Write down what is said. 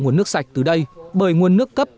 nguồn nước sạch từ đây bởi nguồn nước cấp